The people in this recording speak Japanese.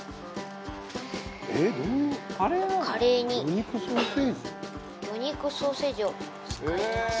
カレーに魚肉ソーセージを使います。